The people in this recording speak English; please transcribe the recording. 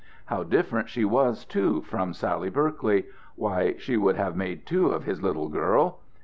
How different she was too from Sally Berkeley why she would have made two of his little girl!